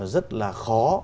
rất là khó